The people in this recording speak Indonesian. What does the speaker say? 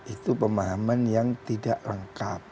itu pemahaman yang tidak lengkap